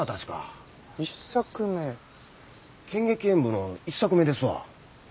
『剣戟炎武』の１作目ですわ。